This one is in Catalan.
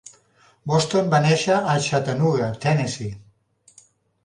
Boston va néixer a Chattanooga, Tennessee.